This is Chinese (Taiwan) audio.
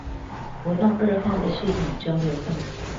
國道二號的系統交流道